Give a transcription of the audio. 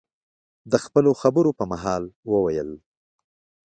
د خپلو خبرو په مهال، وویل: